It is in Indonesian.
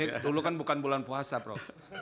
dulu kan bukan bulan puasa prof